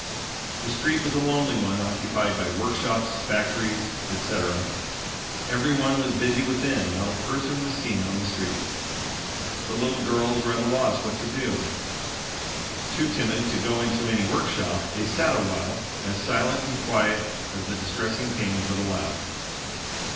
The street was a lonely one occupied by workshops, factories, etc. Every one was busy within; not a person was seen on the street. The little girls were at a loss what to do. Too timid to go into any workshop, they sat a while, as silent and quiet as the distressing pains would allow.